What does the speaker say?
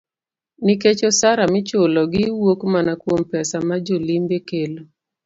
Nikech osara michulo gi wuok mana kuom pesa ma jo limbe kelo.